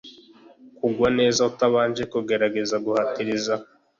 Kugwa neza atabanje kugerageza guhatiriza